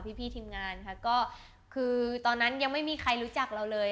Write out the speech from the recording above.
พี่ก็คือตอนนั้นยังไม่มีใครรู้จักเราเลย